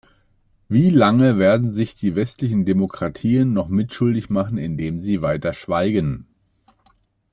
Wie lange werden sich die westlichen Demokratien noch mitschuldig machen, indem sie weiter schweigen?